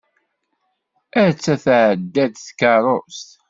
Atta tεedda-d tkeṛṛust.